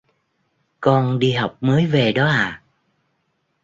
con đi học mới về đó à